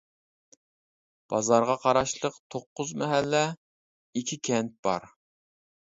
بازارغا قاراشلىق توققۇز مەھەللە، ئىككى كەنت بار.